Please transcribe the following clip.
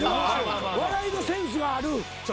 笑いのセンスがある。